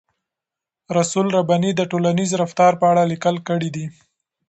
رسول رباني د ټولنیز رفتار په اړه لیکل کړي دي.